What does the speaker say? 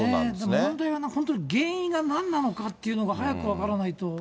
でも本当に原因がなんなのかっていうのが早く分からないと。